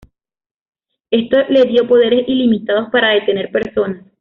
Esto le dio poderes ilimitados para detener personas.